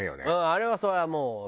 あれはそれはもう。